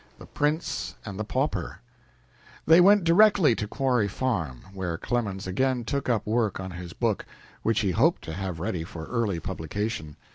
"THE PRINCE AND THE PAUPER" They went directly to Quarry Farm, where Clemens again took up work on his book, which he hoped to have ready for early publication.